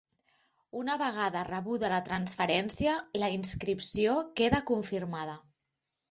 Una vegada rebuda la transferència, la inscripció queda confirmada.